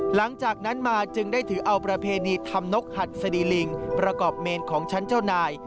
หลังจากนั้นมาจึงได้ถือเอาประเพณีทำนกหัดสดีลิงประกอบเมนของชั้นเจ้านาย